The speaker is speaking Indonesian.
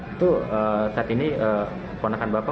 itu saat ini ponakan bapak